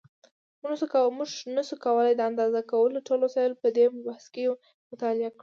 مونږ نشو کولای د اندازه کولو ټول وسایل په دې مبحث کې مطالعه کړو.